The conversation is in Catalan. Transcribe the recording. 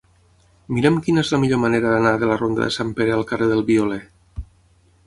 Mira'm quina és la millor manera d'anar de la ronda de Sant Pere al carrer del Violer.